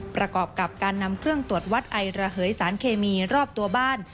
ประกอบกับการนำเครื่องตรวจวัดไอระเหยสารเคมีรอบตัวบ้าน